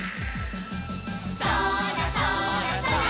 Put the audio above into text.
「そらそらそら」